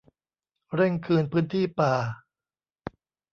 เร่งคืนพื้นที่ป่า